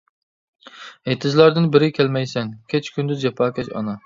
ئېتىزلاردىن بېرى كەلمەيسەن، كېچە-كۈندۈز جاپاكەش ئانا.